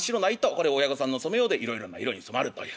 これを親御さんの染めようでいろいろな色に染まるという。